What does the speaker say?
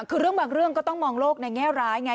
คือเรื่องบางเรื่องก็ต้องมองโลกในแง่ร้ายไง